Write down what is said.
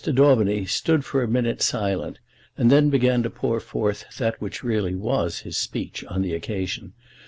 Daubeny stood for a minute silent, and then began to pour forth that which was really his speech on the occasion.